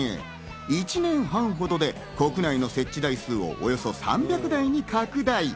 １年半ほどで国内の設置台数をおよそ３００台に拡大。